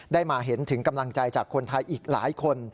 มาเห็นถึงกำลังใจจากคนไทยอีกหลายคน